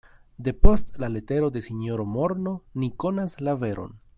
Depost la letero de sinjoro Morno ni konas la veron.